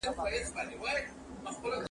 ملتونه څنګه په محکمه کي انصاف راولي؟